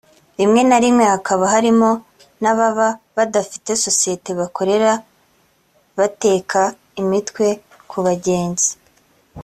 rimwe na rimwe hakaba harimo n’ababa badafite sosiyete bakorera bateka imitwe ku bagenzi